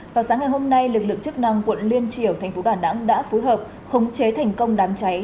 vào sáng ngày hôm nay lực lượng chức năng quận liên triều thành phố đà nẵng đã phối hợp khống chế thành công đám cháy